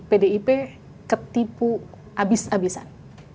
pdip ketipu abis abisan